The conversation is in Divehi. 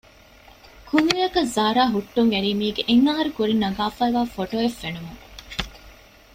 ކުއްލިއަކަށް ޒާރާ ހުއްޓުން އެރީ މީގެ އެއްހަރު ކުރިން ނަގާފައިވާ ފޮޓޯއެއް ފެނުމުން